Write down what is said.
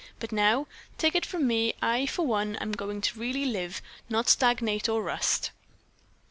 But, now, take it from me, I, for one, am going to really live, not stagnate or rust."